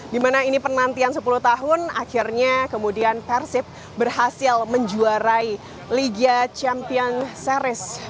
dimana ini penantian sepuluh tahun akhirnya kemudian persib berhasil menjuarai liga champion series